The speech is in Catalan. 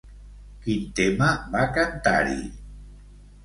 Quin tema va cantar-hi?